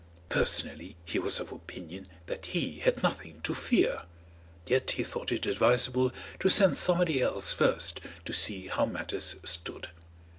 Personally, he was of opinion that he had nothing to fear, yet he thought it advisable to send somebody else first to see how matters stood.